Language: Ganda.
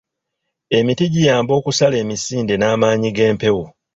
Emiti giyamba okusala emisinde n'amaanyi g'empewo.